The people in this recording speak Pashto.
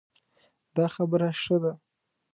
دا خبره ښه ده